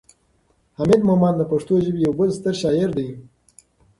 حمید مومند د پښتو ژبې یو بل ستر شاعر دی.